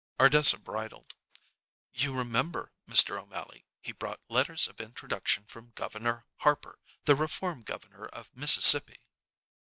Ardessa bridled. "You remember, Mr. O'Mally, he brought letters of introduction from Governor Harper, the reform Governor of Mississippi."